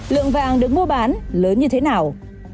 lượng vàng được mua bán lớn như thế nào